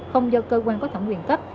không do cơ quan có thẩm quyền cấp